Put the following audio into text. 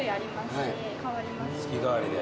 月替わりで。